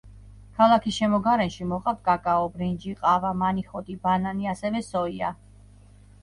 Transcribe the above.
ქალაქის შემოგარენში მოჰყავთ კაკაო, ბრინჯი, ყავა, მანიჰოტი, ბანანი, ასევე სოია.